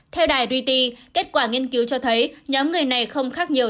theo đài reta kết quả nghiên cứu cho thấy nhóm người này không khác nhiều